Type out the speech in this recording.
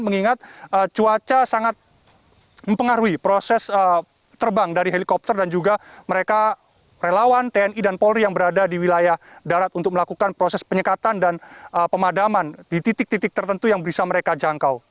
mengingat cuaca sangat mempengaruhi proses terbang dari helikopter dan juga mereka relawan tni dan polri yang berada di wilayah darat untuk melakukan proses penyekatan dan pemadaman di titik titik tertentu yang bisa mereka jangkau